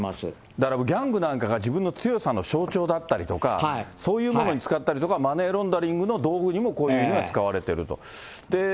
だからギャングなんかが自分の強さの象徴だったりとか、そういうものに使ったりとか、マネーロンダリングの道具にも、こういうものは使われていると。